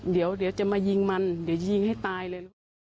เดี๋ยวจะมายิงมันเดี๋ยวยิงให้ตายเลย